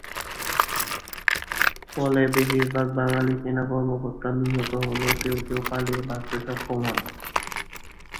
ফলে বেশিরভাগ বাঙালি সেনা কর্মকর্তা নিহত হলেও কেউ কেউ পালিয়ে বাঁচতে সক্ষম হন।